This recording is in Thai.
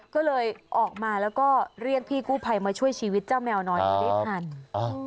ก็เลยออกมาแล้วก็เรียกพี่กู้ภัยมาช่วยชีวิตเจ้าแมวน้อยได้ทัน